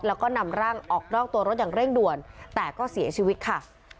แล้วก็นำร่างออกนอกตัวรถอย่างเร่งด่วนแต่ก็เสียชีวิตค่ะ